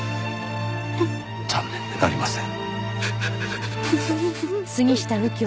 残念でなりません。